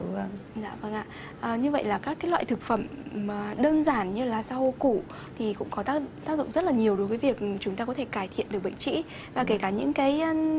vâng ạ vâng ạ như vậy là các cái loại thực phẩm đơn giản như là rau củ thì cũng có tác dụng rất là nhiều đối với việc chúng ta có thể cải thiện được bệnh trĩ và kể cả những cái